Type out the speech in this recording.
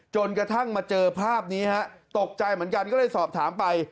จนกระทั่งมาเจอภาพนี้ฮะตกใจเหมือนกันก็เลยสอบถามไป